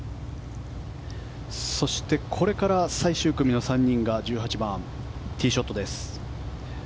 そしてこれから最終組の３人が１８番、ティーショットです。